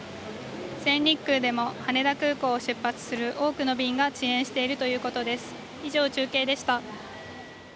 全日空でも羽田空港を出発する多くの便が遅延しているということでした